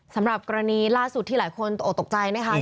สำหรับกรณีล่าสุดที่หลายคนตกตกใจนะคะ